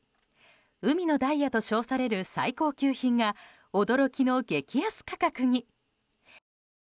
海のダイヤと称される最高級品が驚きの激安価格に。